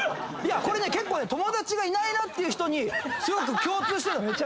これ結構友達がいないなっていう人に共通してんの。